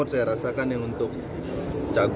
kta nya udah ada belum bang